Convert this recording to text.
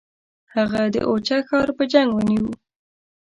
هغه د اوچه ښار په جنګ ونیوی.